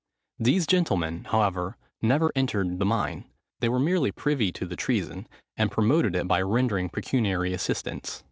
These gentlemen, however, never entered the mine: they were merely privy to the treason, and promoted it by rendering pecuniary assistance.